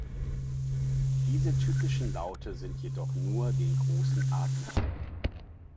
Diese typischen Laute sind jedoch nur den großen Arten eigen.